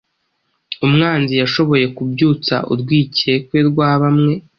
umwanzi yashoboye kubyutsa urwikekwe rwa bamwe